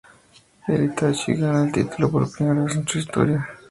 El Hitachi gana el título por primera vez en su historia.